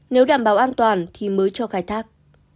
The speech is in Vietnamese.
nếu đảm bảo an toàn thì mới cho khai thác